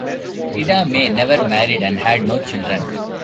Ida May never married and had no children.